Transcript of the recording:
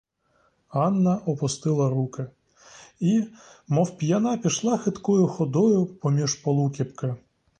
Анна опустила руки і, мов п'яна, пішла хиткою ходою поміж полукіпки.